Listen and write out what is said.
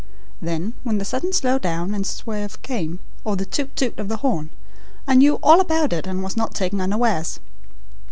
Then, when the sudden slow down and swerve came, or the toot toot of the horn, I knew all about it and was not taken unawares.